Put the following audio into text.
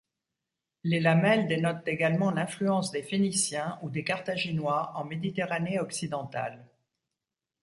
Les lamelles dénotent également l'influence des Phéniciens ou des Carthaginois en Méditerranée occidentale.